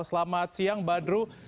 selamat siang badru